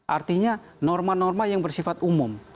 artinya norma norma yang bersifat umum